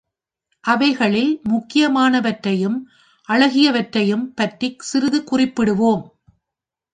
அவைகளில் முக்கியமானவற்றையும் அழகியவற்றையும் பற்றிச் சிறிது குறிப்பிடுவோம்.